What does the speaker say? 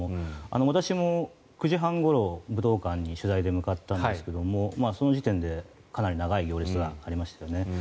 私も９時半ごろ武道館に取材で向かったんですがその時点でかなり長い行列がありましたよね。